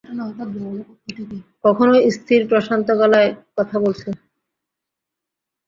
কখনো স্থির প্রশান্ত গলায় কথা বলছে।